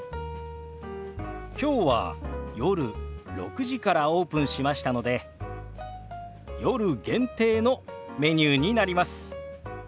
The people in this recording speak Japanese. きょうは夜６時からオープンしましたので夜限定のメニューになります。